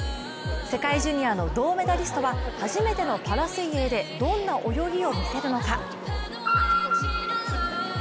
世界ジュニアの銅メダリストは初めてのパラ水泳でどんな泳ぎを見せるのか。